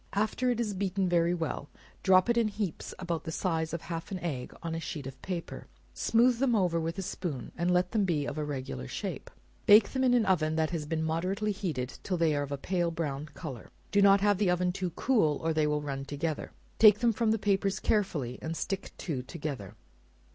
After it is beaten very well, drop it in heaps about the size of half an egg on a sheet of paper; smooth them over with a spoon, and let them be of a regular shape; bake them in an oven that has been moderately heated, till they are of a pale brown color; do not have the oven too cool, or they will run together; take them from the papers carefully, and stick two together.